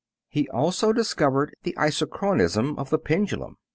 He also discovered the isochronism of the pendulum.